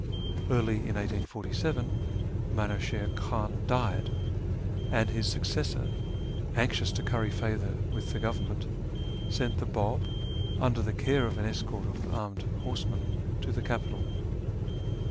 Early in 1847 Minuchiln Khan died, and his successor, anxious to curry favour with the Government, sent the Bab, under the care of an escort of armed horsemen, to the capital.